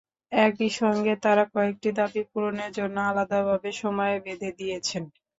একই সঙ্গে তাঁরা কয়েকটি দাবি পূরণের জন্য আলাদাভাবে সময় বেঁধে দিয়েছেন।